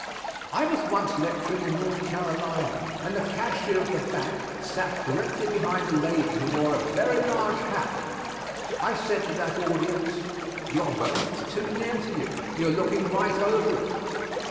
I was once lecturing in North Carolina, and the cashier of the bank sat directly behind a lady who wore a very large hat. I said to that audience, "Your wealth is too near to you; you are looking right over it."